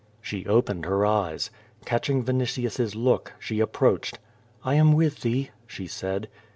She opened her eyes. Catching Vinitius's look, she ap proached. "I am with thee," she said.